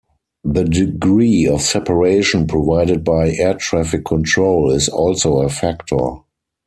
The degree of separation provided by air traffic control is also a factor.